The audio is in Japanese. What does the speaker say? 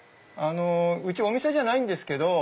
うちお店じゃないんですけど。